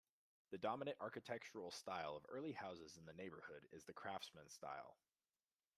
The dominant architectural style of early houses in the neighborhood is the Craftsman style.